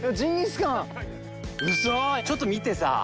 ちょっと見てさ。